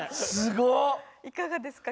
いかがですか？